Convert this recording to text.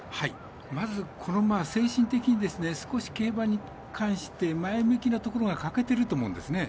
まずこの馬は精神的に少し競馬に関して前向きなところが欠けてると思うんですね。